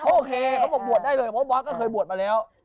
โอเคเขาบอกบวชได้เลยเพราะบอสก็เคยบวชมาแล้ว